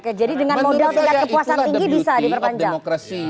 oke jadi dengan modal tingkat kepuasan tinggi